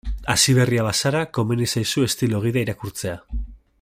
Hasiberria bazara, komeni zaizu estilo gida irakurtzea.